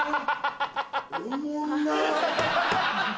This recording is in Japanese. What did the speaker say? おもんな！